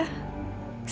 siapa ayah kandungnya